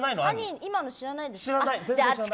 今の知らないですか。